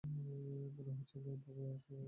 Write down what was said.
মনে হচ্ছে আপনার বাবার অবস্থা সঙ্কটাপন্ন।